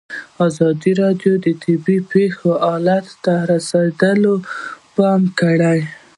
ازادي راډیو د طبیعي پېښې حالت ته رسېدلي پام کړی.